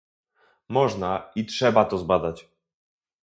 Można i trzeba to zbadać